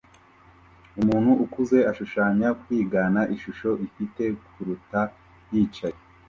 umuntu ukuze ashushanya kwigana ishusho ifite kurukuta yicaye